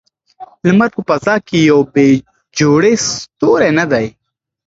لمر په فضا کې یو بې جوړې ستوری نه دی.